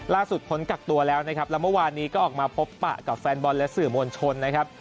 พ้นกักตัวแล้วนะครับแล้วเมื่อวานนี้ก็ออกมาพบปะกับแฟนบอลและสื่อมวลชนนะครับ